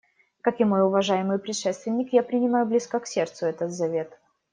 Как и мой уважаемый предшественник, я принимаю близко к сердцу этот завет.